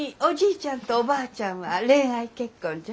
ちゃんとおばあちゃんは恋愛結婚じゃ。